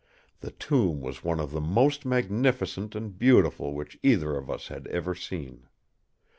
The tomb was one of the most magnificent and beautiful which either of us had ever seen.